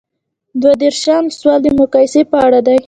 دوه دیرشم سوال د مقایسې په اړه دی.